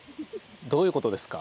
どういうことですか？